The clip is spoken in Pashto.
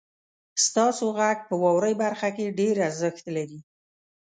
ستاسو غږ په واورئ برخه کې ډیر ارزښت لري.